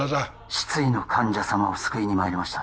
失意の患者さまを救いに参りました